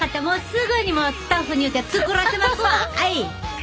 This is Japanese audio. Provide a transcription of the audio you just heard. すぐにもうスタッフに言うて作らせますわはい。